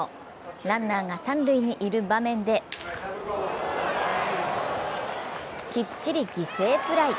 ランナーが三塁にいる場面できっちり犠牲フライ。